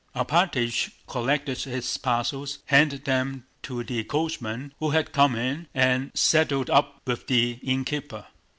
Alpátych collected his parcels, handed them to the coachman who had come in, and settled up with the innkeeper.